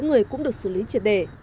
mỗi người cũng được xử lý triệt để